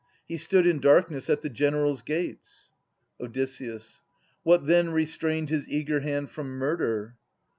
He stood in darkness at the generals' gates. Od. What then restrained his eager hand from murder